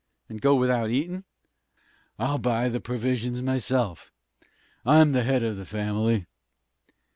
"And go without eatin'?" "I'll buy the provisions myself. I'm the head of the family."